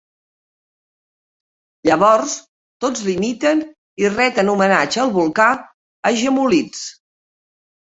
Llavors tots l'imiten i reten homenatge al volcà, agemolits.